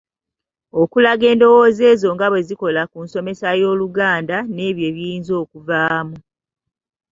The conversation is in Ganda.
Okulaga endowooza ezo nga bwe zikola ku nsomesa y’Oluganda nebyo ebiyinza okuvaamu.